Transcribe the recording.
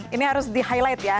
ini harus di highlight ya